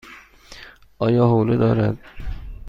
آیا حوله دارد؟